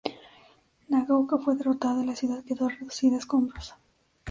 Nagaoka fue derrotada y la ciudad quedó reducida a escombros.